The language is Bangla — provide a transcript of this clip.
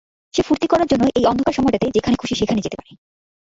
সে ফূর্তি করার জন্য এই অন্ধকার সময়টাতে যেখানে খুশি সেখানে যেতে পারে!